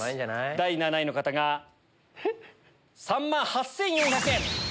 第７位の方が３万８４００円。